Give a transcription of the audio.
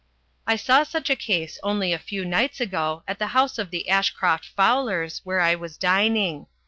I saw such a case only a few nights ago at the house of the Ashcroft Fowlers, where I was dining.